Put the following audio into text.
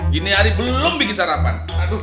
gini hari belum bikin sarapan